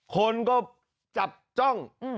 คนก็จับจ้อง